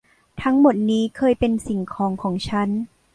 ทั้งหมดนี้เคยเป็นสิ่งของของฉัน